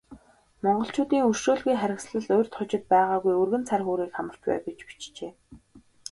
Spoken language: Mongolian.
Монголчуудын өршөөлгүй харгислал урьд хожид байгаагүй өргөн цар хүрээг хамарч байв гэж бичжээ.